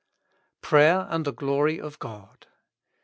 Prayer and the Geory of God.